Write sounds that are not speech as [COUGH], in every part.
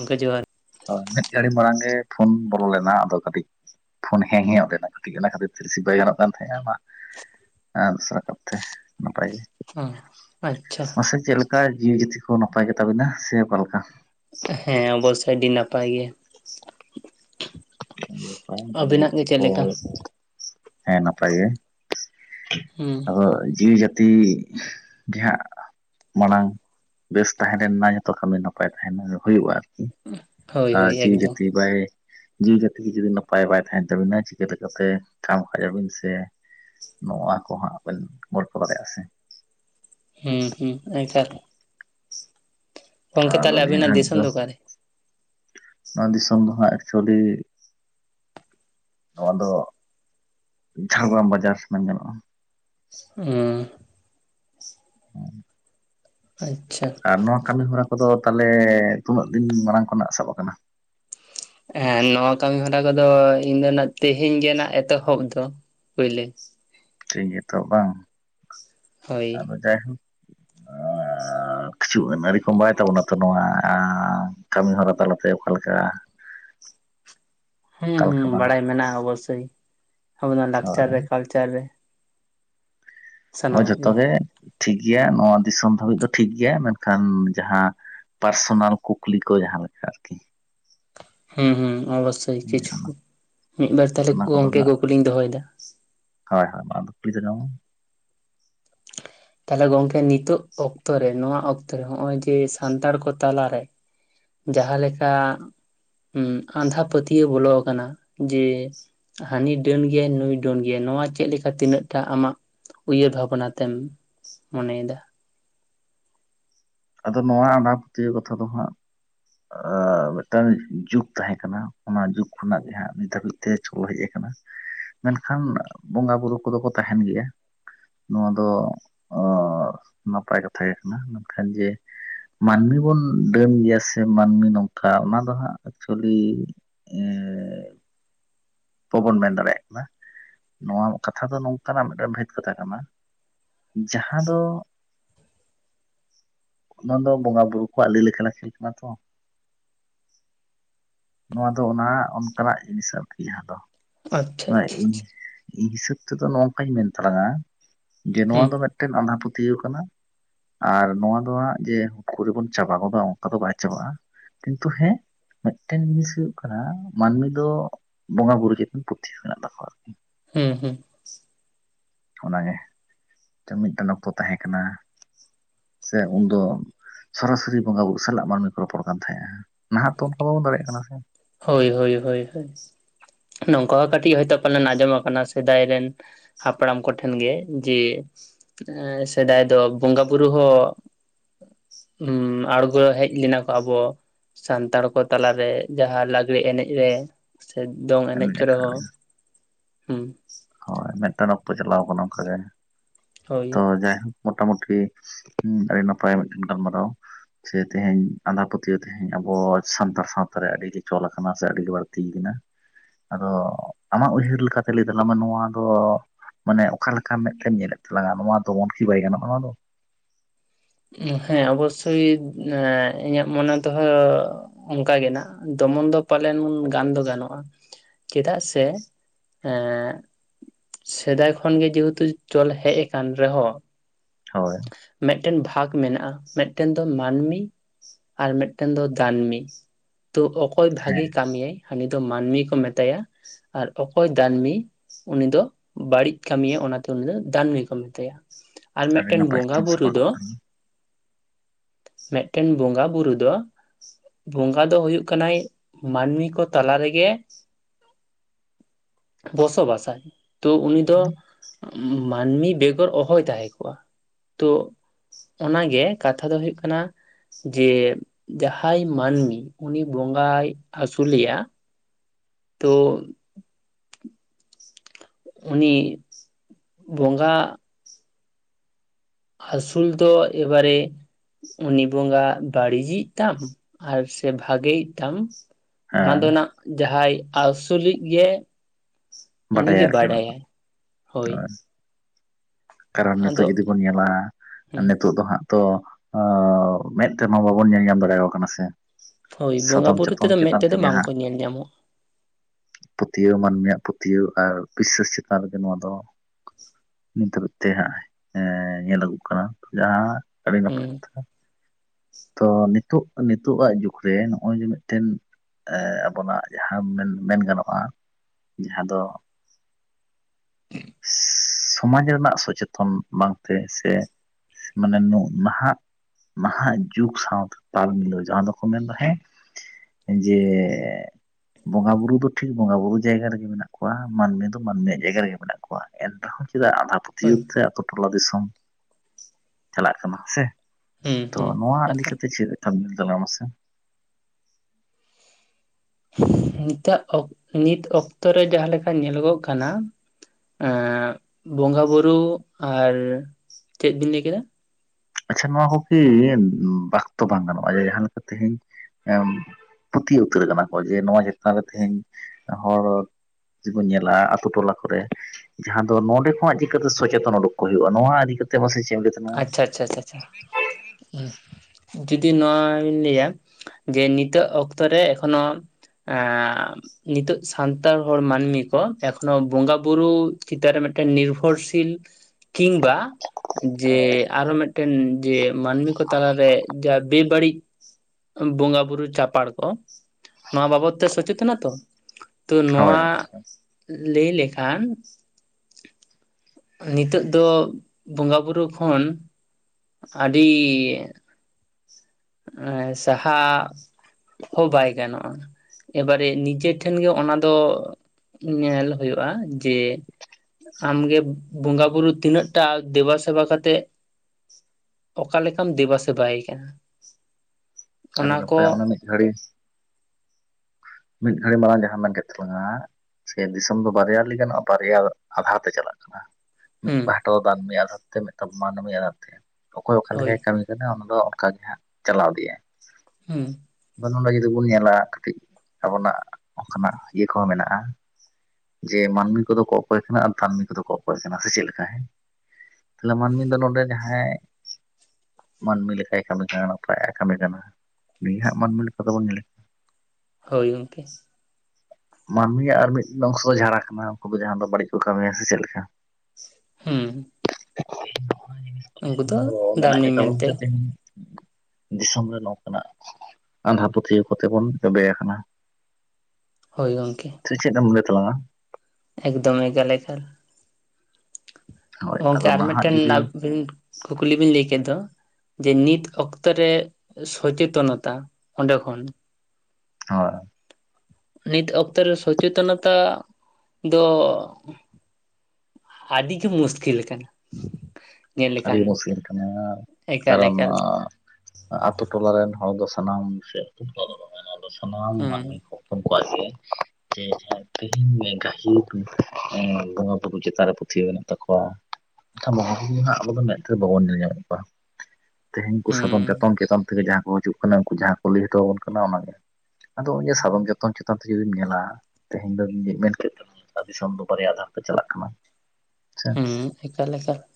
ᱜᱚᱝᱠᱮ ᱡᱚᱦᱟᱨ ᱾ ᱦᱚ ᱢᱤᱫ ᱜᱷᱟᱹᱲᱤ ᱢᱟᱲᱟᱝ ᱨᱮ ᱯᱷᱳᱱ ᱵᱚᱞᱚ ᱞᱮᱱᱟ ᱟᱫᱚ ᱠᱟᱹᱴᱤᱡ ᱯᱷᱳᱱ ᱦᱮᱸ ᱦᱮᱸ ᱚᱸ ᱞᱮᱱᱟ ᱠᱟᱹᱴᱤᱡ ᱚᱱᱟ ᱠᱷᱟᱹᱛᱤᱨ ᱨᱤᱥᱤᱵᱷ ᱵᱟᱭ ᱜᱟᱱᱚᱜ ᱠᱟᱱ ᱛᱟᱦᱮᱸᱡ ᱢᱟ ᱩᱥᱟᱹᱨᱟ ᱠᱟᱛᱮᱜ ᱱᱟᱯᱟᱭ ᱜᱮ ᱚ ᱟᱪᱪᱷᱟ ᱢᱟᱥᱮ ᱪᱮᱞᱠᱟᱭ ᱡᱤᱣᱤ ᱡᱟᱹᱛᱤ ᱠᱚ ᱱᱟᱯᱟᱭ ᱜᱮ ᱛᱟᱵᱤᱱᱟ ᱥᱮ ᱚᱠᱟᱞᱮᱠᱟ? ᱦᱮᱸ ᱚᱵᱚᱥᱥᱳᱭ ᱟᱹᱰᱤ ᱱᱟᱯᱟᱭ ᱜᱮ ᱱᱟᱯᱟᱭ ᱾ ᱡᱤᱣᱤ ᱟᱹᱵᱤᱱᱟᱜ ᱜᱮ ᱡᱟᱹᱛᱤ ᱠᱚ ᱪᱮᱫᱞᱮᱠᱟ? ᱦᱮᱸ ᱱᱟᱯᱟᱭ ᱜᱮ ᱾ ᱦᱩᱸ ᱾ ᱦᱳᱭ ᱡᱤᱣᱤ ᱡᱟᱹᱛᱤ ᱜᱮ ᱦᱟᱸᱜ ᱢᱟᱲᱟᱝ ᱵᱮᱥ ᱛᱟᱦᱮᱸ ᱞᱮᱱ ᱢᱟᱭ ᱡᱚᱛᱚ ᱠᱟᱹᱢᱤ ᱱᱟᱯᱟᱭ ᱛᱟᱦᱮᱱ ᱢᱟ ᱦᱩᱭᱩᱜᱼᱟ ᱦᱳᱭ ᱾ ᱟ ᱦᱳᱭ ᱡᱤᱣᱤ ᱮᱠᱫᱚᱢ ᱡᱟᱹᱛᱤ ᱵᱟᱭ ᱡᱤᱣᱤ ᱡᱟᱹᱛᱤ ᱜᱮ ᱡᱩᱫᱤ ᱱᱟᱯᱟᱭ ᱵᱟᱭ ᱛᱟᱦᱮᱱ ᱛᱟᱹᱵᱤᱱᱟ ᱪᱤᱠᱟᱹᱛᱮ ᱠᱚᱛᱮ ᱠᱟᱢ ᱠᱷᱚᱡ ᱨᱮᱵᱤᱱ ᱥᱮ ᱱᱚᱣᱟ ᱠᱚ ᱦᱟᱸᱜ ᱵᱮᱱ ᱜᱚᱞᱯᱚ ᱫᱟᱲᱮᱭᱟᱜ ᱥᱮ? ᱦᱩᱸ ᱦᱩᱸ ᱮᱠᱟᱞ ᱾ ᱟᱫᱚ ᱛᱟᱦᱚᱞᱮ ᱱᱤᱭᱟᱹ ᱟᱵᱤᱱᱟᱜ ᱫᱷᱟᱹᱵᱤᱡ ᱫᱤᱥᱚᱢ ᱫᱚ, ᱚᱠᱟᱨᱮ ᱱᱚᱣᱟ ᱫᱤᱥᱚᱢ ᱫᱚ ᱦᱟᱸᱜ ᱮᱠᱪᱩᱭᱮᱞᱤ ᱱᱚᱣᱟ ᱫᱚ ᱡᱷᱟᱲᱜᱨᱟᱢ ᱵᱟᱡᱟᱨ ᱢᱮᱱ ᱜᱟᱱᱚᱜᱼᱟ ᱾ ᱦᱩᱸ᱾ [INAUDIBLE] ᱟᱪᱪᱷᱟ ᱟᱨ ᱱᱚᱣᱟ ᱠᱟᱹᱢᱤ ᱦᱚᱨᱟ ᱠᱚᱫᱚ ᱛᱟᱞᱮ ᱛᱩᱱᱟᱹᱜ ᱫᱤᱱ ᱢᱟᱲᱟᱝ ᱠᱷᱚᱱᱟᱜ ᱥᱟᱵ ᱟᱠᱟᱱᱟ? ᱮᱸ ᱱᱚᱣᱟ ᱠᱟᱹᱢᱤ ᱦᱚᱨᱟ ᱠᱚᱫᱚ ᱤᱧ ᱫᱚ ᱱᱟᱜ ᱛᱮᱦᱮᱸᱧ ᱜᱮᱱᱟᱜ ᱮᱛᱚᱦᱚᱵ ᱫᱚ ᱾ ᱞᱟᱹᱭᱞᱟᱹ ᱴᱷᱤᱠ ᱜᱮ ᱛᱚ ᱵᱟᱝ᱾ ᱦᱳᱭ [INAUDIBLE] ᱠᱷᱤᱪᱩᱜ ᱟᱹᱱᱟᱹᱨᱤ ᱠᱚ ᱵᱟᱲᱟᱭ ᱛᱟᱵᱚᱱᱟ ᱛᱚ, ᱱᱚᱣᱟ ᱠᱟᱹᱢᱤ ᱦᱚᱨᱟ ᱛᱟᱞᱟᱛᱮ ᱚᱠᱟ ᱞᱮᱠᱟ [UNINTELLIGIBLE] ᱦᱩᱸ ᱚᱠᱟ ᱦᱩᱸ ᱞᱮᱠᱟ ᱵᱟᱝ ᱵᱟᱲᱟᱭ ᱢᱮᱱᱟᱜᱼᱟ ᱚᱵᱚᱥᱥᱳᱭ᱾ ᱟᱵᱚᱱᱟᱜ ᱞᱟᱠᱪᱟᱨ ᱦᱳᱭ ᱨᱮ ᱠᱟᱞᱪᱟᱨ ᱨᱮ᱾ ᱚ ᱡᱚᱛᱚ ᱜᱮ ᱴᱷᱤᱠ ᱜᱮᱭᱟ ᱱᱚᱣᱟ ᱫᱤᱥᱚᱢ ᱫᱷᱟᱹᱵᱤᱡ ᱫᱚ ᱴᱷᱤᱠ ᱜᱮᱭᱟ ᱢᱮᱱᱠᱷᱟᱱ ᱡᱟᱦᱟᱸ ᱯᱟᱨᱥᱚᱱᱟᱞ ᱠᱩᱠᱞᱤ ᱠᱚ ᱡᱟᱦᱟᱸ ᱞᱮᱠᱟ ᱟᱨᱠᱤ ᱦᱩᱸ ᱦᱩᱸ ᱚᱵᱚᱥᱥᱳᱭ ᱚᱱᱟ ᱠᱤᱪᱷᱩ ᱢᱤᱫ ᱵᱟᱨ ᱛᱟᱦᱚᱞᱮ ᱚᱱᱟ ᱠᱚᱫᱚ ᱜᱚᱝᱠᱮ ᱦᱟᱸᱜ ᱠᱩᱠᱞᱤᱧ ᱫᱚᱦᱚᱭᱮᱫᱟ᱾ ᱦᱳᱭ ᱦᱳᱭ ᱢᱟ ᱫᱚ ᱠᱩᱞᱤ ᱛᱮᱞᱟᱝ ᱢᱮ᱾ ᱛᱟᱦᱚᱞᱮ ᱜᱚᱝᱠᱮ ᱱᱤᱛᱚᱜ ᱚᱠᱛᱚ ᱨᱮ ᱱᱚᱣᱟ ᱚᱠᱛᱚ ᱨᱮ ᱦᱚᱜᱼᱚᱭ ᱡᱮ ᱥᱟᱱᱛᱟᱲ ᱠᱚ ᱛᱟᱞᱟᱨᱮ ᱡᱟᱦᱟᱸ ᱞᱮᱠᱟ ᱩᱸᱢ ᱟᱸᱫᱷᱟ ᱯᱟᱹᱛᱭᱟᱹᱣ ᱵᱚᱞᱚ ᱠᱟᱱᱟ ᱡᱮ ᱦᱟᱹᱱᱤ ᱰᱟᱹᱱ ᱜᱮᱭᱟᱭ ᱱᱩᱭ ᱰᱳᱹᱱ ᱜᱮᱭᱟᱭ ᱱᱚᱣᱟ ᱪᱮᱫ ᱞᱮᱠᱟ ᱛᱤᱱᱟᱹᱜ ᱴᱟᱜ ᱟᱢᱟᱜ ᱩᱭᱦᱟᱹᱨ ᱵᱷᱟᱵᱽᱱᱟ ᱛᱮᱢ ᱢᱚᱱᱮᱭᱮᱫᱟ᱾ ᱟᱫᱚ ᱱᱚᱣᱟ ᱟᱸᱫᱷᱟ ᱯᱟᱹᱛᱭᱟᱹᱣ ᱠᱟᱛᱷᱟ ᱦᱟᱸᱜ ᱟᱸ ᱢᱤᱫᱴᱟᱝ ᱡᱩᱜᱽ ᱛᱟᱦᱮᱸ ᱠᱟᱱᱟ, ᱚᱱᱟ ᱡᱩᱜ ᱠᱷᱚᱱᱟᱜ ᱜᱮ ᱦᱟᱸᱜ ᱱᱤᱛ ᱦᱟᱹᱵᱤᱡ ᱛᱮ ᱪᱚᱞ ᱦᱮᱡ ᱠᱟᱱᱟ ᱢᱮᱱᱠᱷᱟᱱ ᱵᱚᱸᱜᱟ ᱵᱩᱨᱩ ᱠᱚᱫᱚ ᱠᱚ ᱛᱟᱦᱮᱸᱱ ᱜᱮᱭᱟ᱾ ᱱᱚᱣᱟ ᱫᱚ ᱱᱟᱯᱟᱭ ᱚᱻ ᱠᱟᱛᱷᱟ ᱜᱮ ᱠᱟᱱᱟ ᱢᱮᱱᱠᱷᱟᱱ ᱡᱮ ᱢᱟᱹᱱᱢᱤ ᱵᱚᱱ ᱰᱟᱹᱱ ᱜᱮᱭᱟ ᱥᱮ ᱢᱟᱹᱱᱢᱤ ᱱᱚᱝᱠᱟ ᱚᱱᱟ ᱫᱚ ᱦᱟᱸᱜ ᱮᱠᱪᱩᱭᱮᱞᱤ ᱮᱻᱜ ᱵᱟᱵᱚᱱ ᱢᱮᱱ ᱫᱟᱲᱮᱭᱟᱜ ᱠᱟᱱᱟ, ᱱᱚᱣᱟ ᱠᱟᱛᱷᱟ ᱫᱚ ᱱᱚᱝ ᱠᱟᱱᱟᱜ ᱢᱤᱫᱴᱟᱝ ᱵᱷᱮᱫ ᱠᱟᱛᱷᱟ ᱠᱟᱱᱟ ᱡᱟᱦᱟᱸ ᱫᱚ, ᱚᱱᱟ ᱫᱚ ᱵᱚᱸᱜᱟ ᱵᱩᱨᱩ ᱠᱚᱣᱟᱜ ᱞᱤᱞᱟᱹ ᱠᱷᱮᱞᱟ ᱠᱷᱮᱞ ᱠᱟᱱᱟ ᱛᱚ, ᱱᱚᱣᱟ ᱫᱚ ᱚᱱᱟ ᱚᱱᱠᱟᱱᱟᱜ ᱡᱤᱱᱤᱥ ᱟᱨᱠᱤ ᱡᱟᱦᱟᱸ ᱫᱚ ᱟᱪᱪᱷᱟ ᱱᱚᱣᱟ ᱟᱪᱪᱷᱟ ᱤᱧ ᱟᱪᱪᱷᱟ ᱤᱧ ᱦᱤᱥᱟᱹᱵ ᱛᱮᱫᱚ ᱱᱚ ᱱᱚᱝᱠᱟᱧ ᱢᱮᱱ ᱛᱟᱞᱟᱝᱟ ᱡᱮ ᱱᱚᱣᱟ ᱦᱩᱸ ᱫᱚ ᱢᱤᱫ ᱢᱤᱫᱴᱮᱱ ᱟᱸᱫᱷᱟ ᱯᱟᱹᱛᱭᱟᱹᱣ ᱠᱟᱱᱟ᱾ ᱟᱨ ᱱᱚᱣᱟ ᱫᱚ ᱦᱟᱜ ᱡᱮ ᱦᱩᱴ ᱠᱚᱨᱮ ᱵᱚᱱ ᱪᱟᱵᱟ ᱜᱚᱫᱟ ᱚᱱᱠᱟ ᱫᱚ ᱵᱟᱭ ᱪᱟᱵᱟᱜᱼᱟ᱾ ᱠᱤᱱᱛᱩ ᱦᱮᱸ ᱢᱤᱫᱴᱮᱱ ᱡᱤᱱᱤᱥ ᱦᱩᱭᱩᱜ ᱠᱟᱱᱟ ᱢᱟᱹᱱᱢᱤ ᱫᱚ ᱵᱚᱸᱜᱟ ᱵᱩᱨᱩ ᱪᱮᱛᱚᱱ ᱯᱟᱹᱛ ᱯᱟᱹᱛᱭᱟᱹᱣ ᱢᱮᱱᱟᱜ ᱛᱟᱠᱚᱣᱟ᱾ ᱦᱮᱸ ᱦᱩᱸ ᱚᱱᱟᱜᱮ ᱢᱤᱫᱴᱟᱨ ᱚᱠᱛᱚ ᱛᱟᱦᱮᱸ ᱠᱟᱱᱟ ᱥᱮ ᱩᱱᱫᱚ ᱥᱚᱨᱟᱥᱚᱨᱤ ᱵᱚᱸᱜᱟ ᱵᱩᱨᱩ ᱥᱟᱞᱟᱜ ᱢᱟᱹᱱᱢᱤ ᱠᱚ ᱨᱚᱯᱚᱲ ᱠᱟᱱ ᱛᱟᱦᱮᱸᱜᱼᱟ᱾ ᱱᱟᱦᱟᱜ ᱛᱚ ᱚᱱᱠᱟ ᱵᱟᱵᱚᱱ ᱫᱟᱲᱮᱭᱟᱜ ᱠᱟᱱᱟ ᱥᱮ᱾ ᱦᱳᱭ ᱦᱳᱭ ᱦᱳᱭ ᱦᱳᱭ ᱱᱟᱝᱠᱟ ᱦᱚᱸ ᱠᱟᱹᱴᱤᱡ ᱦᱚᱭᱛᱳ ᱯᱟᱞᱮᱱ ᱟᱸᱡᱚᱢ ᱟᱠᱟᱱᱟ ᱥᱮᱫᱟᱭ ᱨᱮᱱ ᱦᱟᱯᱲᱟᱢ ᱠᱚᱴᱷᱮᱱ ᱜᱮ ᱡᱮ ᱮ ᱥᱮᱫᱟᱭ ᱫᱚ ᱵᱚᱸᱜᱟ ᱵᱩᱨᱩ ᱦᱚᱸ ᱩᱸ ᱟᱬᱜᱚ ᱦᱮᱡ ᱞᱮᱱᱟ ᱠᱚ ᱟᱵᱚ ᱥᱟᱱᱛᱟᱲ ᱠᱚ ᱛᱟᱞᱟᱨᱮ᱾ ᱡᱟᱦᱟᱸ ᱞᱟᱜᱽᱲᱮ ᱮᱱᱮᱡ ᱨᱮ, ᱥᱮ ᱫᱚᱝ ᱮᱱᱮᱡ ᱠᱚᱨᱮ ᱦᱚᱸ᱾ ᱦᱩᱸ ᱦᱳᱭ ᱢᱤᱫᱴᱟᱱ ᱚᱠᱛᱚ ᱪᱟᱞᱟᱣ ᱠᱟᱱᱟ ᱚᱱᱠᱟ ᱜᱮ᱾ ᱦᱳᱭ ᱡᱟᱭᱦᱳᱠ ᱢᱟᱴᱟᱢᱩᱴᱤ ᱟᱹᱰᱤ ᱱᱟᱯᱟᱭ ᱢᱤᱫᱴᱮᱱ ᱜᱟᱞᱢᱟᱨᱟᱣ᱾ ᱥᱮ ᱛᱮᱦᱮᱧ ᱟᱸᱫᱷᱟ ᱯᱟᱹᱛᱭᱟᱹᱣ ᱛᱮᱦᱮᱧ ᱟᱵᱚ ᱥᱟᱱᱛᱟᱲ ᱥᱟᱶᱛᱟ ᱨᱮ ᱟᱹᱰᱤᱜᱮ ᱪᱚᱞ ᱟᱠᱟᱱᱟ, ᱥᱮ ᱟᱹᱰᱤᱜᱮ ᱵᱟᱲ ᱛᱤ ᱭᱮᱱᱟ᱾ ᱟᱫᱚ ᱟᱢᱟᱜ ᱩᱭᱦᱟᱹᱨ ᱞᱮᱠᱟᱛᱮ ᱞᱟᱹᱭ ᱛᱟᱞᱟᱝ ᱢᱮ ᱱᱚᱣᱟ ᱫᱚ ᱢᱟᱱᱮ ᱚᱠᱟ ᱞᱮᱠᱟ ᱢᱮᱫ ᱛᱮᱢ ᱧᱮᱞᱮᱫ ᱛᱟᱞᱟᱝᱼᱟ᱾ ᱱᱚᱣᱟ ᱛᱩᱱᱠᱷᱤ ᱵᱟᱭ ᱜᱟᱱᱚᱜᱼᱟ ᱱᱚᱣᱟ ᱫᱚ? ᱦᱮᱸ ᱚᱵᱚᱥᱥᱳᱭ ᱤᱧᱟᱹᱜ ᱢᱚᱱᱮ ᱫᱚᱦᱚ ᱚᱱᱠᱟ ᱜᱮ ᱦᱟᱸᱜ, ᱫᱚᱢᱚᱱ ᱫᱚ ᱯᱟᱞᱮᱱ ᱜᱟᱱ ᱫᱚ ᱜᱟᱱᱚᱜᱼᱟ᱾ ᱪᱮᱫᱟᱜ ᱥᱮ ᱮᱸᱻᱜ ᱥᱮᱫᱟᱭ ᱠᱷᱚᱱᱜᱮ ᱡᱮᱦᱮᱛᱩ ᱪᱚᱞ ᱦᱮᱡ ᱟᱠᱟᱱ ᱨᱮᱦᱚᱸ ᱦᱚᱭ᱾ ᱢᱤᱫᱴᱮᱱ ᱵᱷᱟᱜᱽ ᱢᱮᱱᱟᱜ-ᱟ ᱢᱤᱫᱴᱮᱱ ᱫᱚ ᱢᱟᱱᱢᱤ᱾ ᱟᱨ ᱢᱤᱫᱴᱮᱱ ᱫᱚ ᱫᱟᱱᱢᱤ᱾ ᱛᱚ ᱚᱠᱚᱭ ᱵᱷᱟᱜᱮ ᱦᱮᱸ ᱠᱟᱢᱤᱭᱟᱭ ᱦᱟᱹᱱᱤ ᱫᱚ ᱢᱟᱱᱢᱤ ᱠᱚ ᱢᱮᱛᱟᱭᱟ᱾ ᱟᱨ ᱚᱠᱚᱭ ᱫᱟᱱᱢᱤ ᱩᱱᱤ ᱫᱚ ᱵᱟᱲᱤᱡ ᱠᱟᱹᱢᱤᱭᱟ ᱚᱱᱟᱛᱮ ᱩᱱᱤ ᱫᱚ ᱫᱟᱱᱢᱤ ᱠᱚ ᱢᱮᱛᱟᱭᱟ᱾ ᱟᱨ ᱟᱹᱰᱤ ᱢᱤᱫᱴᱮᱱ ᱱᱟᱯᱟᱭ ᱵᱚᱸᱜᱟ ᱮᱠᱫᱚᱢ ᱵᱩᱨᱩ ᱥᱟᱯᱟᱵ ᱠᱟᱜ ᱫᱚ ᱠᱟᱱᱟ ᱢᱮᱫᱴᱮᱱ ᱵᱚᱸᱜᱟ ᱵᱩᱨᱩ ᱫᱚ ᱵᱚᱸᱜᱟ ᱫᱚ ᱦᱳᱭᱳᱜ ᱠᱟᱱᱟᱭ ᱢᱟᱱᱢᱤ ᱠᱚ ᱛᱟᱞᱟ ᱨᱮᱜᱮ ᱵᱚᱥᱚ ᱵᱟᱥᱟᱭ᱾ ᱛᱚ ᱩᱱᱤ ᱫᱚ ᱢᱟᱱᱢᱤ ᱵᱮᱜᱚᱨ ᱚᱦᱚᱭ ᱛᱟᱦᱮᱸ ᱠᱚᱜ-ᱟ ᱛᱚ ᱚᱱᱟᱜᱮ ᱠᱟᱛᱷᱟ ᱫᱚ ᱦᱩᱭᱩᱜ ᱠᱟᱱᱟ ᱡᱮ ᱡᱟᱦᱟᱭ ᱢᱟᱱᱢᱤ ᱩᱱᱤ ᱵᱚᱸᱜᱟᱭ ᱟᱥᱩᱞᱮᱭᱟ ᱛᱳ ᱩᱱᱤᱜ ᱵᱚᱸᱜᱟᱜ ᱟᱥᱩᱞ ᱫᱚ ᱮᱹᱵᱟᱨᱮ ᱩᱱᱤ ᱵᱚᱸᱜᱟ ᱵᱟᱲᱤᱡᱤᱜ ᱛᱟᱢ ᱟᱨ ᱥᱮ ᱵᱷᱟᱜᱮᱭᱤᱜ ᱛᱟᱢ ᱚᱱᱟ ᱦᱮᱸ ᱫᱚ ᱱᱟᱜ ᱡᱟᱦᱟᱭ ᱟᱥᱩᱞᱤᱡ ᱜᱮ ᱵᱟᱰᱟᱭᱟ ᱩᱱᱤᱜᱮ ᱟᱨᱠᱤ ᱚᱱᱟ ᱫᱚ ᱵᱟᱰᱟᱭᱟᱭ ᱦᱳᱭ᱾ ᱠᱟᱨᱚᱱ ᱱᱤᱛᱚᱜ ᱟᱫᱚ ᱡᱩᱫᱤ ᱵᱚᱱ ᱧᱮᱞᱟ ᱦᱩᱸ ᱱᱤᱛᱚᱜ ᱫᱚ ᱦᱟᱸᱜ ᱛᱚ ᱚᱻ ᱢᱮᱫ ᱛᱮᱢᱟ ᱵᱟᱵᱚᱱ ᱧᱮᱞ ᱧᱟᱢ ᱫᱟᱲᱮᱭᱟᱠᱚ ᱠᱟᱱᱟ ᱥᱮ᱾ ᱦᱳᱭ ᱵᱚᱸᱜᱟ ᱥᱟᱫᱚᱢ ᱵᱩᱨᱩ ᱪᱟᱛᱚᱢ ᱛᱮᱫᱚ ᱢᱮᱫ ᱪᱮᱛᱟᱱ ᱛᱮᱫᱚ ᱛᱮᱜᱮ ᱦᱟᱸᱜ ᱵᱟᱝᱠᱚ ᱧᱮᱞ ᱧᱟᱢᱚᱜᱼᱟ ᱯᱟᱹᱛᱭᱟᱹᱣ ᱢᱟᱱᱢᱤᱭᱟᱜ ᱯᱟᱹᱛᱭᱟᱹᱣ ᱟᱨ ᱵᱤᱥᱥᱟᱹᱥ ᱪᱮᱛᱟᱱ ᱨᱮᱜᱮ ᱱᱚᱣᱟ ᱫᱚ ᱱᱤᱛ ᱦᱟᱹᱵᱤᱡ ᱛᱮ ᱦᱟᱸᱜ ᱮᱸᱻ ᱧᱮᱞ ᱟᱹᱜᱩᱜ ᱠᱟᱱᱟ ᱡᱟᱦᱟᱸ ᱟᱹᱰᱤ ᱱᱟᱯᱟᱭ ᱦᱩᱸ ᱠᱟᱛᱷᱟ᱾ ᱛᱚ ᱱᱤᱛᱚᱜ ᱱᱤᱛᱳᱜ ᱟᱜ ᱡᱩᱜᱽ ᱨᱮ ᱱᱚᱜ-ᱚᱭ ᱡᱮ ᱢᱤᱫᱴᱮᱱ ᱮ ᱟᱵᱚᱱᱟᱜ ᱡᱟᱦᱟᱸ ᱢᱮᱱ ᱢᱮᱱ ᱜᱟᱱᱚᱜ-ᱟ ᱡᱟᱦᱟᱸ ᱫᱚ ᱥᱮᱻ ᱥᱚᱢᱟᱡᱽ ᱨᱮᱱᱟᱜ ᱥᱚᱪᱮᱛᱚᱱ ᱵᱟᱝᱛᱮ ᱥᱮ ᱢᱟᱱᱮ ᱱᱳᱜ ᱱᱟᱸᱦᱟᱜ ᱱᱟᱸᱦᱟᱜ ᱡᱩᱜᱽ ᱥᱟᱶᱛᱮ ᱛᱟᱞ ᱢᱤᱞᱟᱹᱣ ᱡᱟᱦᱟᱸ ᱫᱚᱠᱚ ᱢᱮᱱᱫᱟ ᱦᱮᱸ ᱡᱮᱻᱜ ᱵᱚᱸᱜᱟ ᱵᱩᱨᱩ ᱫᱚ ᱴᱷᱤᱠ ᱵᱚᱸᱜᱟ ᱵᱩᱨᱩ ᱡᱟᱭᱜᱟ ᱨᱮᱜᱮ ᱢᱮᱱᱟᱜ ᱠᱚᱣᱟ ᱢᱟᱹᱱᱢᱤ ᱫᱚ ᱢᱟᱹᱱᱢᱤᱭᱟᱜ ᱡᱟᱭᱜᱟ ᱨᱮᱜᱮ ᱢᱮᱱᱟᱜ ᱠᱚᱣᱟ ᱾ᱮᱱ ᱨᱮᱦᱚᱸ ᱪᱮᱫᱟᱜ ᱟᱸᱫᱷᱟ ᱦᱳᱭ ᱯᱟᱹᱛᱭᱟᱹᱣ ᱛᱮ ᱟᱛᱳ ᱴᱚᱞᱟ ᱫᱤᱥᱚᱢ ᱪᱟᱞᱟᱜ ᱠᱟᱱᱟ ᱦᱮ ᱥᱮ ᱦᱩᱸ ᱛᱚ ᱦᱩᱸ ᱱᱚᱣᱟ ᱤᱫᱤ ᱮᱠᱟᱞ ᱠᱟᱛᱮ ᱪᱮᱫ ᱛᱟᱢᱤᱞ ᱛᱟᱞᱟ ᱢᱮ ᱥᱮ ᱱᱤᱛᱟᱜ ᱚᱠ ᱱᱤᱛ ᱚᱠᱛᱚ ᱨᱮ ᱡᱟᱦᱟ ᱞᱮᱠᱟ ᱧᱮᱞᱚᱜᱚᱜ ᱠᱟᱱᱟ ᱮᱻ ᱵᱚᱸᱜᱟ ᱵᱩᱨᱩ ᱟᱨ ᱪᱮᱫ ᱵᱤᱱ ᱞᱟᱹᱭ ᱠᱮᱫᱟ? ᱟᱪᱪᱷᱟ ᱱᱚᱣᱟ ᱦᱚᱠᱤ ᱤᱭᱮᱱ ᱵᱟᱠᱛᱚ ᱵᱟᱝ ᱜᱟᱱᱚᱜ-ᱟ ᱡᱮ ᱡᱟᱦᱟᱸ ᱞᱮᱠᱟ ᱛᱮᱦᱤᱧ ᱮᱢ ᱯᱟᱹᱛᱭᱟᱹᱣ ᱩᱛᱟᱹᱨ ᱟᱠᱟᱱᱟ ᱠᱚ ᱡᱮ ᱱᱚᱣᱟ ᱪᱮᱛᱟᱱ ᱨᱮ ᱛᱮᱦᱤᱧ ᱦᱚᱲ ᱪᱮᱝᱠᱚ ᱧᱮᱞᱟ ᱟᱛᱳ ᱴᱚᱞᱟ ᱠᱚᱨᱮ, ᱡᱟᱦᱟᱸ ᱫᱚ ᱱᱚᱰᱮ ᱠᱷᱚᱸᱣᱟᱜ ᱪᱤᱠᱟᱹᱛᱮ ᱥᱚᱪᱮᱛᱚᱱ ᱚᱰᱳᱠ ᱠᱚ ᱦᱩᱭᱩᱜ-ᱟ ᱱᱚᱣᱟ ᱤᱫᱤ ᱠᱟᱛᱮ ᱦᱚᱸ ᱥᱮ ᱪᱮᱫ ᱮᱢ ᱞᱟᱹᱭ ᱫᱟ ᱟᱪᱪᱷᱟ ᱟᱪᱪᱷᱟ ᱟᱪᱪᱷᱟ ᱟᱪᱪᱷᱟ ᱾ ᱡᱩᱫᱤ ᱱᱚᱣᱟᱧ ᱞᱟᱹᱭᱟ ᱡᱮᱹ ᱱᱤᱛᱚᱜ ᱚᱠᱛᱚ ᱨᱮ ᱮᱠᱷᱚᱱᱚ ᱱᱤᱛᱚᱜ ᱥᱟᱱᱛᱟᱲ ᱦᱚᱲ ᱢᱟᱱᱢᱤ ᱠᱚ ᱮᱠᱷᱚᱱᱳ ᱵᱚᱸᱜᱟ ᱵᱩᱨᱩ ᱪᱮᱛᱟᱱ ᱨᱮ ᱢᱤᱫᱴᱮᱱ ᱱᱤᱨᱵᱷᱚᱨᱥᱤᱞ ᱠᱤᱝᱵᱟ ᱡᱮᱹ ᱟᱨᱚ ᱢᱤᱫᱴᱮᱱ ᱡᱮᱹ ᱢᱟᱱᱢᱤ ᱠᱚ ᱛᱟᱞᱟᱨᱮ ᱡᱟ ᱵᱮᱹ-ᱵᱟᱹᱲᱤᱡ ᱵᱚᱸᱜᱟ ᱵᱩᱨᱩ ᱪᱟᱯᱟᱲ ᱠᱚ ᱱᱚᱣᱟ ᱵᱟᱵᱚᱛ ᱛᱮ ᱥᱚᱪᱮᱛᱚᱱᱟᱛᱚ ᱛᱚ ᱦᱳᱭ ᱱᱚᱣᱟ ᱦᱳᱭ ᱞᱟᱹᱭ ᱞᱮᱠᱷᱟᱱ ᱱᱤᱛᱳᱜ ᱫᱚ ᱵᱚᱸᱜᱟ ᱵᱩᱨᱩ ᱠᱷᱚᱱ ᱟᱹᱰᱤ ᱮᱸ ᱥᱟᱦᱟᱜ ᱦᱚᱸ ᱵᱟᱭ ᱜᱟᱱᱚᱜᱼᱟ ᱾ ᱮᱵᱟᱨᱮ ᱱᱤᱡᱮ ᱴᱷᱮᱱ ᱜᱮ ᱚᱱᱟ ᱫᱚ ᱧᱮᱞ ᱦᱩᱭᱩᱜᱼᱟ ᱡᱮ, ᱟᱢᱜᱮ ᱵᱚᱸᱜᱟ ᱵᱩᱨᱩ ᱛᱤᱱᱟᱹᱜᱴᱟ ᱫᱮᱵᱟ ᱥᱮᱵᱟ ᱠᱟᱛᱮᱫ ᱚᱠᱟ ᱞᱮᱠᱟᱢ ᱫᱮᱵᱟ ᱥᱮᱵᱟᱭ ᱠᱟᱱᱟ᱾ ᱥᱟ. ᱨᱤ ᱠᱟᱛᱷᱟ ᱚᱱᱟ ᱢᱤᱫ ᱜᱷᱟᱹᱲᱤ, ᱢᱤᱫ ᱜᱷᱟᱹᱲᱤ ᱢᱟᱲᱟᱝ ᱡᱟᱦᱟᱸ ᱢᱮᱱ ᱠᱮᱫ ᱛᱟᱞᱟᱝᱟ, ᱥᱮ ᱫᱤᱥᱚᱢ ᱫᱚ ᱵᱟᱨᱭᱟ ᱞᱟᱹᱭ ᱜᱟᱱᱚᱜᱼᱟ ᱵᱟᱨᱭᱟ ᱟᱫᱷᱟᱨ ᱛᱮ ᱪᱟᱞᱟᱜ ᱠᱟᱱᱟ᱾ ᱢᱤᱫ ᱦᱩᱸ ᱯᱟᱦᱴᱟ ᱫᱚ ᱫᱟᱹᱱᱢᱤ ᱟᱫᱷᱟᱨ ᱛᱮ ᱢᱤᱫᱴᱟᱝ ᱢᱟᱹᱱᱢᱤ ᱟᱫᱷᱟᱨ ᱛᱮ ᱚᱠᱚᱭ ᱚᱠᱟ ᱦᱳᱭ ᱞᱮᱠᱟᱭ ᱠᱟᱹᱢᱤ ᱠᱟᱱᱟ ᱚᱱᱟ ᱫᱚ ᱚᱱᱠᱟᱜ ᱜᱮ ᱦᱟᱸᱜ ᱪᱟᱞᱟᱣ ᱤᱫᱤᱜ ᱟᱭ ᱾ ᱦᱩᱸ ᱛᱚ ᱱᱚᱰᱮ ᱡᱩᱫᱤ ᱵᱚᱱ ᱧᱮᱞᱟ ᱠᱟᱹᱴᱤᱡ ᱟᱵᱚᱱᱟᱜ ᱚᱱᱠᱟᱱᱟᱜ ᱤᱭᱟᱹ ᱠᱚᱦᱚᱸ ᱢᱮᱱᱟᱜᱼᱟ, ᱡᱮ ᱢᱟᱹᱱᱢᱤ ᱠᱚᱫᱚ ᱠᱚ ᱚᱠᱚᱭ ᱠᱟᱱᱟ ᱟᱨ ᱫᱟᱹᱱᱢᱤ ᱠᱚᱫᱚ ᱠᱚ ᱚᱠᱚᱭ ᱠᱟᱱᱟ ᱥᱮ ᱪᱮᱫ ᱞᱮᱠᱟ ᱛᱟᱦᱞᱮ ᱢᱟᱹᱱᱢᱤ ᱫᱚ ᱱᱚᱰᱮ ᱡᱟᱦᱟᱸᱭ ᱢᱟᱹᱱᱢᱤ ᱞᱮᱠᱟᱭ ᱠᱟᱹᱢᱤ ᱠᱟᱱᱟ ᱱᱟᱯᱟᱭᱟᱜᱼᱮ ᱠᱟᱹᱢᱤ ᱠᱟᱱᱟ ᱱᱩᱭ ᱦᱟᱸᱜ ᱢᱟᱹᱱᱢᱤ ᱞᱮᱠᱟ ᱫᱚ ᱵᱚᱱ ᱧᱮᱞᱮ ᱦᱳᱭ ᱜᱚᱝᱠᱮ ᱢᱟᱹᱱᱢᱤᱭᱟᱜ ᱟᱨ ᱢᱤᱫ ᱚᱝᱥᱚ ᱫᱚ ᱡᱟᱦᱟᱸ [UNINTELLIGIBLE] ᱟᱠᱟᱱᱟ ᱩᱱᱠᱩ ᱫᱚ ᱡᱟᱦᱟᱸ ᱫᱚ ᱵᱟᱹᱲᱤᱡ ᱠᱚ ᱠᱟᱹᱢᱤᱭᱟ, ᱥᱮ ᱪᱮᱫ ᱞᱮᱠᱟ ᱦᱩᱸ ᱩᱱᱠᱩ ᱫᱚ [UNINTELLIGIBLE] ᱢᱮᱱᱟᱜ ᱫᱟᱹᱢᱤ ᱜᱮᱛᱟ ᱢᱮᱱᱛᱮ ᱵᱚᱞᱛᱮ ᱛᱮᱦᱤᱧ ᱫᱤᱥᱚᱢ ᱨᱮ ᱱᱚᱝᱠᱟᱱᱟᱜ ᱟᱸᱫᱷᱟ ᱯᱟᱹᱛᱭᱟᱹᱣ ᱠᱚᱛᱮ ᱵᱚᱱ ᱡᱚᱵᱮ ᱟᱠᱟᱱᱟ ᱾ ᱦᱳᱭ ᱜᱚᱝᱠᱮ ᱥᱮ ᱪᱮᱫ ᱮᱢ ᱞᱮᱭ ᱛᱟᱞᱟᱝᱟ? ᱮᱠᱫᱚᱢᱮ ᱮᱠᱟᱞ ᱮᱠᱟᱞ᱾ ᱦᱳᱭ ᱜᱚᱝᱠᱮ ᱟᱫᱚ ᱟᱨ ᱱᱟᱦᱟᱜ ᱢᱤᱫᱴᱮᱱ ᱡᱩᱫᱤ ᱟᱹᱵᱤᱱ ᱠᱩᱠᱞᱤ ᱵᱤᱱ ᱞᱟᱹᱭᱠᱮᱫ ᱫᱚ, ᱡᱮ ᱱᱤᱛ ᱚᱠᱛᱚ ᱨᱮ ᱥᱚᱪᱮᱛᱚᱱᱚᱛᱟ ᱚᱸᱰᱮ ᱠᱷᱚᱱ᱾ ᱦᱳᱭ ᱱᱤᱛ ᱚᱠᱛᱚ ᱨᱮ ᱥᱚᱪᱮᱛᱚᱱᱚᱛᱟ ᱫᱚ ᱟᱹᱰᱤᱜᱮ ᱢᱩᱥᱠᱤᱞ ᱠᱟᱱᱟ ᱾ ᱟᱹᱰᱤ ᱜᱮ ᱢᱩᱥᱠᱤᱞ ᱠᱟᱱᱟ, ᱮᱠᱟᱞ ᱠᱟᱨᱚᱱ ᱮᱠᱟᱞ ᱟᱛᱳ ᱴᱚᱞᱟ ᱨᱮᱱ ᱦᱚᱲ ᱫᱚ ᱥᱟᱱᱟᱢ ᱥᱮᱛ ᱛᱮᱠᱚ ᱚᱱᱟᱫᱚ ᱥᱟᱱᱟᱢ ᱢᱟᱹᱱᱢᱤ ᱦᱩᱸ ᱠᱚ [UNINTELLIGIBLE] ᱡᱮ ᱛᱮᱦᱤᱧ ᱜᱟᱹᱦᱤᱨ ᱵᱚᱸᱜᱟ ᱵᱩᱨᱩ ᱪᱮᱛᱟᱱ ᱨᱮ ᱯᱟᱹᱛᱭᱟᱹᱣ ᱢᱮᱱᱟᱜ ᱛᱟᱠᱚᱣᱟ᱾ ᱵᱚᱸᱜᱟ ᱵᱩᱨᱩ ᱦᱟᱸᱜ ᱟᱵᱚ ᱫᱚ ᱢᱮᱫ ᱛᱮ ᱵᱟᱵᱚᱱ ᱧᱮᱞ ᱧᱟᱢᱮᱫ ᱠᱚᱣᱟ ᱛᱮᱦᱮᱧ ᱠᱚ ᱥᱟᱫᱚᱢ ᱦᱩᱸ ᱪᱟᱛᱚᱢ ᱪᱮᱛᱟᱱ ᱛᱮᱜᱮ ᱡᱟᱦᱟᱸ ᱠᱚ ᱦᱤᱡᱩᱜ ᱠᱟᱱᱟ ᱩᱝᱠᱩ ᱡᱟᱦᱟᱸ ᱠᱚ ᱞᱟᱹᱭ ᱦᱚᱴᱚ ᱟᱵᱚᱱ ᱠᱟᱱᱟ ᱚᱱᱟᱜᱮ ᱟᱫᱚ ᱤᱭᱟᱹ ᱥᱟᱫᱚᱢ ᱪᱟᱛᱚᱢ ᱪᱮᱛᱟᱱ ᱛᱮ ᱡᱩᱫᱤᱢ ᱧᱮᱞᱟ, ᱛᱮᱦᱮᱧ ᱫᱚ ᱢᱮᱱ ᱠᱮᱫ ᱫᱚ ᱫᱤᱥᱚᱢ ᱫᱚ ᱵᱟᱨᱭᱟ ᱟᱫᱷᱟᱨ ᱛᱮ ᱪᱟᱞᱟᱜ ᱠᱟᱱᱟ ᱾ ᱦᱩᱸ ᱮᱠᱟᱞ ᱮᱠᱟᱞ ᱾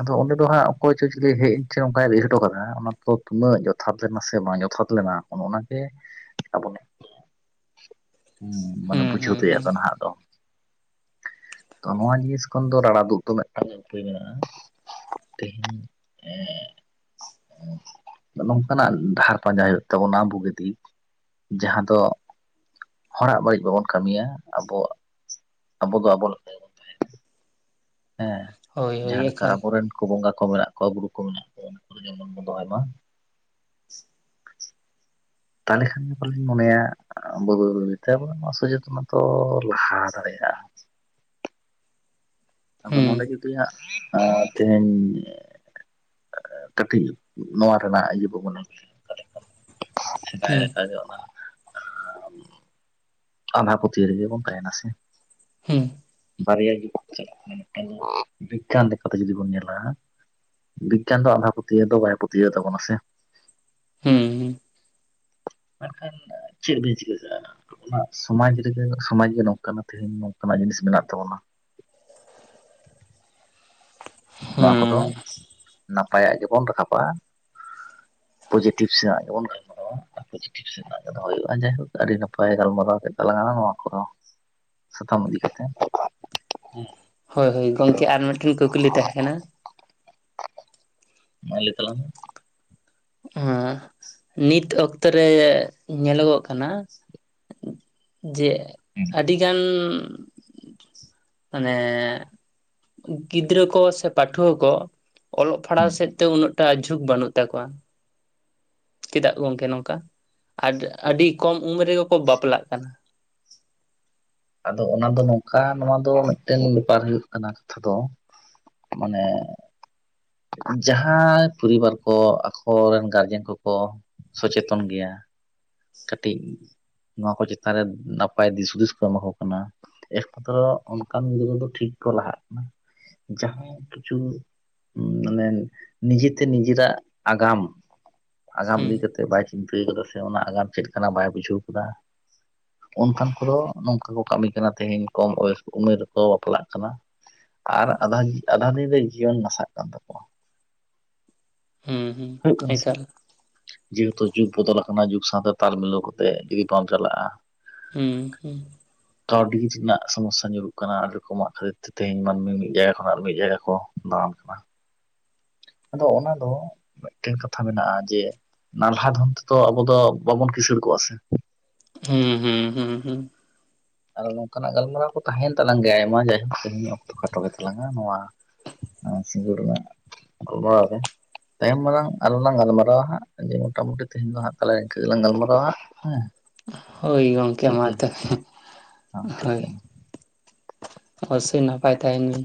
ᱟᱫᱚ ᱚᱸᱰᱮ ᱫᱚ ᱦᱟᱸᱜ ᱚᱠᱚᱭ ᱪᱚ ᱪᱤᱞᱤᱭ ᱦᱮᱡ ᱮᱱ ᱪᱚ ᱚᱝᱠᱟᱭ ᱞᱟᱹᱭ ᱦᱚᱴᱚ ᱠᱟᱫᱟ ᱚᱱᱟ ᱛᱚ ᱛᱩᱱᱟᱹᱜ ᱡᱚᱛᱷᱟᱛ ᱞᱮᱱᱟ ᱥᱮ ᱵᱟᱝ ᱡᱚᱛᱷᱟᱛ ᱞᱮᱱᱟ ᱚᱱ ᱚᱱᱟ ᱜᱮ ᱟᱵᱚᱱᱟᱜ [UNINTELLIGIBLE] ᱾ ᱦᱩᱸ ᱢᱟᱱᱮ ᱦᱩᱸ ᱵᱩᱡᱷᱟᱹᱣ ᱦᱩᱸ ᱛᱮᱭᱟᱜ ᱦᱩᱸ ᱫᱚ ᱱᱟᱦᱟᱜ ᱫᱚ ᱾ ᱛᱚ ᱱᱚᱣᱟ ᱡᱤᱱᱤᱥ ᱠᱷᱚᱱ ᱫᱚ ᱨᱟᱲᱟ ᱫᱩᱜ ᱫᱚ ᱢᱤᱫᱴᱟᱝ ᱩᱯᱟᱹᱭ ᱢᱮᱱᱟᱜᱼᱟ ᱾ ᱛᱮᱦᱮᱧ ᱮᱸᱜ ᱱᱚᱝᱠᱟᱱᱟᱜ ᱫᱷᱟᱨ ᱯᱟᱸᱡᱟᱭ ᱦᱩᱭᱩᱜ ᱛᱟᱵᱚᱱᱟ ᱵᱩᱜᱤ ᱫᱤᱠ ᱾ ᱡᱟᱦᱟᱸ ᱫᱚ ᱦᱚᱲᱟᱜ ᱵᱟᱹᱲᱤᱡ ᱵᱟᱵᱚᱱ ᱠᱟᱢᱤᱭᱟ ᱟᱵᱚ ᱟᱵᱚ ᱫᱚ ᱟᱵᱚ ᱞᱮᱠᱟ ᱜᱮ ᱾ ᱦᱮᱸ ᱦᱳᱭ ᱦᱳᱭ ᱡᱟᱦᱟᱸ ᱞᱮᱠᱟ ᱮᱠᱟᱞ ᱟᱵᱚᱨᱮᱱ ᱠᱚ ᱵᱚᱸᱜᱟ ᱠᱚ ᱢᱮᱱᱟᱜ ᱠᱚᱣᱟ ᱵᱩᱨᱩ ᱠᱚ ᱢᱮᱱᱟᱜ ᱠᱚᱣᱟ ᱩᱱᱠᱩ ᱫᱚ ᱡᱮᱢᱚᱱ ᱵᱚᱱ ᱫᱚᱦᱚᱭ ᱢᱟ ᱾ ᱛᱟᱦᱚᱞᱮ ᱠᱷᱟᱱ ᱜᱮ ᱯᱟᱞᱮᱧ ᱢᱚᱱᱮᱭᱟ ᱵᱟᱹᱭ ᱵᱟᱹᱭ ᱵᱟᱹᱭ ᱛᱮ ᱟᱵᱚ ᱱᱚᱣᱟ ᱥᱚᱪᱮᱛᱚᱱᱟ ᱞᱟᱦᱟ ᱫᱟᱲᱮᱭᱟᱜᱼᱟ ᱾ ᱟᱫᱚ ᱱᱚᱸᱰᱮ ᱦᱩᱸ ᱡᱩᱫᱤ ᱦᱟᱸᱜ ᱛᱮᱦᱮᱧ ᱠᱟᱹᱴᱤᱡ ᱱᱚᱣᱟ ᱨᱮᱱᱟᱜ ᱤᱭᱟᱹ ᱵᱚᱱ ᱢᱚᱱᱮ ᱱᱚᱝᱠᱟ ᱞᱮᱠᱟᱷᱟᱱ [INAUDIBLE] ᱥᱮᱫᱟᱭ ᱦᱩᱸ ᱞᱮᱠᱟ ᱜᱮ ᱚᱱᱟ ᱦᱚᱸ ᱾ ᱟᱸᱫᱷᱟ ᱯᱟᱹᱛᱭᱟ. ᱣ ᱨᱮᱜᱮ ᱵᱚᱱ ᱛᱟᱦᱮᱸᱱᱟ ᱥᱮ ᱾ ᱦᱩᱸ ᱾ ᱵᱟᱨᱭᱟ ᱜᱮᱵᱚᱱ ᱪᱟᱞᱟᱜ ᱠᱟᱱᱟ ᱢᱤᱫᱴᱟᱝ ᱫᱚ ᱵᱤᱜᱽᱜᱟᱱ ᱞᱮᱠᱟᱛᱮ ᱡᱩᱫᱤ ᱵᱚᱱ ᱧᱮᱞᱟ ᱵᱤᱜᱽᱟᱱ ᱫᱚ ᱟᱸᱫᱷᱟ ᱯᱟᱹᱛᱭᱟᱹᱣ ᱫᱚ ᱵᱟᱭ ᱯᱟᱹᱛᱭᱟᱹᱣ ᱛᱟᱵᱚᱱᱟ ᱥᱮ ᱾ ᱦᱩᱸ ᱾ ᱢᱮᱱᱠᱷᱟᱱ ᱪᱮᱫ ᱵᱤᱱ ᱪᱤᱠᱟᱹ ᱠᱟᱜᱼᱟ? ᱚᱱᱟ ᱥᱚᱢᱟᱡᱽ ᱨᱮᱜᱮ ᱥᱚᱢᱟᱡᱽ ᱜᱮ ᱱᱚᱝᱠᱟ ᱛᱮᱦᱮᱧ ᱱᱚᱝᱠᱟᱱᱟᱜ ᱡᱤᱱᱤᱥ ᱢᱮᱱᱟᱜ ᱛᱟᱵᱚᱱᱟ ᱾ ᱱᱚᱣᱟ ᱠᱚᱫᱚ ᱦᱩᱸ ᱱᱟᱯᱟᱭᱟᱜ ᱜᱮᱵᱚᱱ ᱨᱟᱠᱟᱯᱟᱜᱼᱟ ᱯᱚᱡᱤᱴᱤᱵᱷ ᱥᱮᱱᱟᱜ ᱜᱮᱵᱚᱱ ᱜᱟᱞᱢᱟᱨᱟᱣᱟ ᱟᱨ ᱯᱚᱡᱮᱴᱤᱵᱷ ᱥᱮᱱᱟᱜ ᱜᱮ ᱫᱚᱦᱚᱭ ᱦᱩᱭᱩᱜᱼᱟ, ᱡᱟᱭᱦᱳᱠ ᱟᱹᱰᱤ ᱱᱟᱯᱟᱭ ᱜᱟᱞᱢᱟᱨᱟᱣ ᱠᱮᱫ ᱛᱟᱞᱟᱝ ᱟᱞᱟᱝ ᱱᱚᱣᱟ ᱠᱚᱫᱚ ᱾ ᱥᱟᱛᱟᱢ ᱤᱫᱤ ᱠᱟᱛᱮ, ᱦᱮᱸ ᱾ ᱦᱳᱭ ᱦᱳᱭ ᱜᱚᱝᱠᱮ ᱟᱨ ᱢᱤᱫᱴᱮᱱ ᱠᱩᱠᱞᱤ ᱛᱟᱦᱮᱸ ᱠᱟᱱᱟ ᱾ ᱢᱟ ᱞᱟ. ᱭ ᱛᱟᱞᱟᱝ ᱢᱮ ᱾ ᱟᱸ ᱱᱤᱛ ᱚᱠᱛᱚ ᱨᱮ ᱧᱮᱞᱚᱜᱚᱜ ᱠᱟᱱᱟ ᱡᱮ ᱦᱮᱸ ᱟᱹᱰᱤ ᱜᱟᱱ ᱢᱟᱱᱮ ᱜᱤᱫᱽᱨᱟᱹ ᱠᱚ ᱥᱮ ᱯᱟᱴᱷᱩᱣᱟᱹ ᱠᱚ ᱚᱞᱚᱜ ᱯᱟᱲᱦᱟᱣ ᱦᱮᱸ ᱥᱮᱫ ᱛᱮ ᱩᱱᱟᱹᱜ ᱴᱟ ᱡᱷᱩᱠ ᱵᱟᱹᱱᱩᱜ ᱛᱟᱠᱚᱣᱟ ᱾ ᱪᱮᱫᱟᱜ ᱜᱚᱝᱠᱮ ᱱᱚᱝᱠᱟ? ᱟᱰ ᱟᱹᱰᱤ ᱠᱚᱢ ᱩᱢᱮᱨ ᱨᱮᱜᱮ ᱠᱚ ᱵᱟᱯᱞᱟᱜ ᱠᱟᱱᱟ ᱾ ᱟᱫᱚ ᱚᱱᱟ ᱫᱚ ᱱᱚᱝᱠᱟ ᱱᱚᱣᱟ ᱫᱚ ᱢᱤᱫᱴᱮᱱ ᱵᱮᱯᱟᱨ ᱦᱩᱭᱩᱜ ᱠᱟᱱᱟ ᱠᱟᱛᱷᱟ ᱫᱚ ᱢᱟᱱᱮ ᱡᱟᱦᱟᱸᱭ ᱯᱚᱨᱤᱵᱟᱨ ᱠᱚ ᱟᱠᱚᱨᱮᱱ ᱜᱟᱨᱡᱮᱱ ᱠᱚᱠᱚ ᱥᱚᱪᱮᱛᱚᱱ ᱜᱮᱭᱟ, ᱠᱟᱹᱴᱤᱡ ᱱᱚᱣᱟ ᱠᱚ ᱪᱮᱛᱟᱱ ᱨᱮ ᱱᱟᱯᱟᱭ ᱫᱤ-ᱦᱩᱫᱤᱥ ᱠᱚ ᱮᱢᱟ ᱠᱚ ᱠᱟᱱᱟ ᱮᱠᱢᱟᱛᱨᱚ ᱚᱱᱠᱟᱱ ᱜᱤᱫᱽᱨᱟᱹ ᱫᱚ ᱴᱷᱤᱠ ᱠᱚ ᱞᱟᱦᱟᱜ ᱠᱟᱱᱟ, ᱡᱟᱦᱟᱸᱭ ᱠᱤᱪᱷᱩ ᱢᱟᱱᱮ ᱱᱤᱡᱮ ᱛᱮ ᱱᱤᱡᱮᱨᱟᱜ ᱟᱜᱟᱢ ᱟᱜᱟᱢ ᱤᱫᱤ ᱦᱩᱸ ᱠᱟ ᱠᱟᱛᱮᱫ ᱵᱟᱭ ᱪᱤᱱᱛᱟᱹ ᱠᱟᱫᱟ ᱥᱮ ᱚᱱᱟ ᱟᱜᱟᱢ ᱪᱮᱫ ᱠᱟᱱᱟ ᱵᱟᱭ ᱵᱩᱡᱷᱟᱹᱣ ᱠᱟᱫᱟ ᱚᱱᱠᱟᱱ ᱠᱚᱫᱚ ᱱᱚᱝᱠᱟ ᱠᱚ ᱠᱟᱹᱢᱤ ᱠᱟᱱᱟ ᱛᱮᱦᱮᱧ ᱠᱚᱢ ᱩᱢᱮᱨ ᱨᱮᱠᱚ ᱵᱟᱯᱞᱟᱜ ᱠᱟᱱᱟ ᱾ ᱟᱨ ᱟᱫᱷᱟ, ᱟᱫᱷᱟ ᱫᱤᱱ ᱨᱮ ᱡᱤᱭᱚᱱ ᱱᱟᱥᱟᱜ ᱠᱟᱱ ᱛᱟᱠᱚᱣᱟ ᱾ ᱦᱩᱸ ᱾ ᱦᱩᱭᱩᱜ ᱠᱟᱱᱟ ᱥᱮ? ᱡᱮᱦᱮᱛᱩ ᱡᱩᱜ ᱵᱚᱫᱚᱞ ᱟᱠᱟᱱᱟ ᱡᱩᱜᱽ ᱥᱟᱶᱛᱮ ᱛᱟᱞ ᱢᱤᱞᱟᱹᱣ ᱠᱟᱛᱮ ᱡᱩᱫᱤ ᱵᱟᱢ ᱪᱟᱞᱟᱜᱼᱟ ᱦᱩᱸ ᱦᱩᱸᱼᱼ ᱠᱟᱣᱰᱤᱡ ᱨᱮᱱᱟᱜ ᱥᱚᱢᱚᱥᱥᱟ ᱧᱩᱨᱩᱜ ᱠᱟᱱᱟ ᱟᱹᱰᱤ ᱨᱚᱠᱚᱢᱟᱜ ᱯᱷᱨᱮᱫ ᱾ ᱛᱮᱦᱮᱧ ᱢᱟᱹᱱᱢᱤ ᱢᱤᱫ ᱡᱟᱭᱜᱟ ᱠᱷᱚᱱᱟᱜ ᱢᱤᱫ ᱡᱟᱭᱜᱟ ᱠᱚ ᱫᱟᱬᱟᱱ ᱠᱟᱱᱟ᱾ ᱟᱫᱚ ᱚᱱᱟ ᱫᱚ ᱢᱤᱫᱴᱮᱱ ᱠᱟᱛᱷᱟ ᱢᱮᱱᱟᱜᱼᱟ ᱡᱮ, ᱱᱟᱞᱦᱟ ᱫᱷᱚᱱ ᱛᱮᱫᱚ ᱟᱵᱚ ᱫᱚ, ᱵᱟᱵᱚᱱ ᱠᱤᱥᱟᱹᱬ ᱠᱚᱜᱼᱟ ᱥᱮ ᱾ ᱦᱩᱸ ᱦᱩᱸ ᱦᱩᱸ ᱦᱩᱸᱼᱼ ᱟᱨ ᱱᱚᱝᱠᱟᱱᱟᱜ ᱜᱟᱞᱢᱟᱨᱟᱣ ᱠᱚ ᱛᱟᱦᱮᱸᱭᱮᱱ ᱛᱟᱞᱟᱝ ᱜᱮᱭᱟ ᱟᱭᱢᱟ ᱡᱟᱭᱦᱚᱠ ᱛᱮᱦᱮᱧ ᱚᱠᱛᱚ ᱠᱷᱟᱴᱚ ᱜᱮᱛᱟᱞᱟᱝᱟ ᱱᱚᱣᱟ ᱥᱤᱸᱜᱟᱹᱲ [UNINTELLIGIBLE] ᱨᱮ ᱾ ᱛᱟᱭᱚᱢ ᱫᱟᱨᱟᱝ ᱟᱨ ᱦᱚᱸ ᱞᱟᱝ ᱜᱟᱞᱢᱟᱨᱟᱣᱼᱟ ᱦᱟᱸᱜ ᱾ ᱡᱮ ᱢᱚᱴᱟᱢᱩᱴᱤ ᱛᱮᱦᱮᱧ ᱫᱚ ᱦᱟᱸᱜ ᱛᱟᱦᱞᱮ ᱤᱱᱠᱟᱹ ᱜᱮᱞᱟᱝ ᱜᱟᱞᱢᱟᱨᱟᱣᱼᱟ᱾ ᱦᱮᱸᱼᱼ ᱦᱳᱭ ᱜᱚᱢᱠᱮ ᱢᱟ ᱛᱟᱦᱞᱮ ᱾ ᱦᱚᱸ ᱴᱷᱤᱠ ᱦᱳᱭ, ᱜᱮᱭᱟ ᱚᱵᱚᱥᱥᱚᱭ ᱱᱟᱯᱟᱭ ᱛᱟᱦᱮᱱ ᱵᱤᱱ ᱾